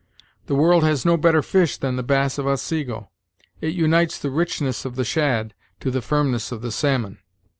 The world has no better fish than the bass of Otsego; it unites the richness of the shad* to the firmness of the salmon."